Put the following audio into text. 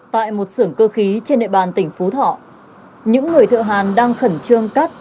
tại một sưởng cơ khí trên địa bàn tỉnh phú thọ những người thợ hàn đang khẩn trương cắt